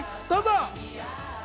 どうぞ。